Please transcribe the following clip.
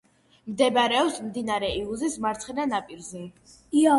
მდებარეობს მდინარე იაუზის მარცხენა ნაპირზე.